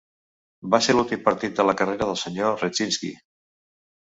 Va ser l'últim partit de la carrera del Sr. Redzinski.